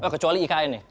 kecuali ikn ya